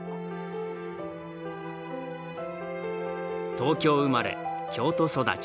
東京生まれ京都育ち。